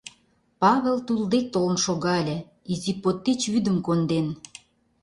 Павел тул дек толын шогале, изи под тич вӱдым конден.